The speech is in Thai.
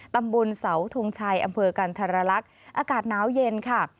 ตำบลเสาทงชัยอำเภอกันธรรลักษณ์อากาศหนาวเย็นค่ะ